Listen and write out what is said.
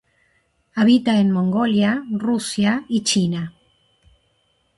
Habita en Mongolia, Rusia y China.